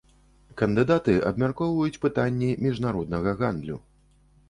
Кандыдаты абмяркоўваюць пытанні міжнароднага гандлю.